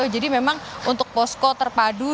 jadi memang untuk posko terpadu